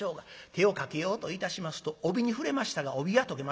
手をかけようといたしますと帯に触れましたが帯が解けましてズルズルズル。